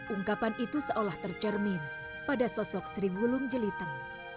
ungkapan itu seolah tercermin pada sosok sri wulung jeliteng